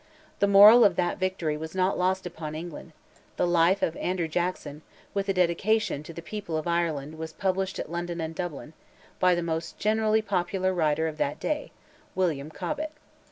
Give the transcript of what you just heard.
The moral of that victory was not lost upon England; the life of Andrew Jackson, with a dedication "to the People of Ireland" was published at London and Dublin, by the most generally popular writer of that day—William Cobbett.